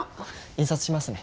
印刷しますね。